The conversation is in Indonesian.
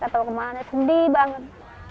gak tahu kemana sendiri banget